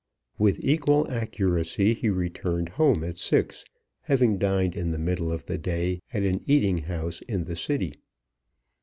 With equal accuracy he returned home at six, having dined in the middle of the day at an eating house in the City.